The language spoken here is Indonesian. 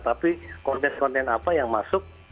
tapi konten konten apa yang masuk